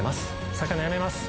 魚やめます。